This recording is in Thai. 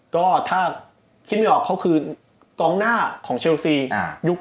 ก็ถ้าคิดไม่ออกเขาคือกองหน้าของเชลซียุค๙